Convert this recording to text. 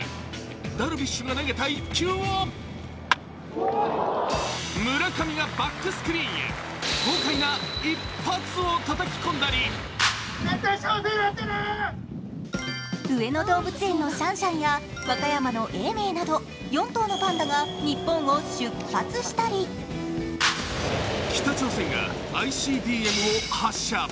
ダルビッシュが投げた１球は村上がバックスクリーンへ豪快な一発をたたき込んだり上野動物園のシャンシャンや和歌山の永明など４頭のパンダが日本を出発したり、北朝鮮がＩＣＢＭを発射。